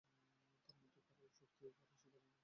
তার মতো কারো সাথে চুক্তি করা শিকারীদের নীতিবিরুদ্ধ।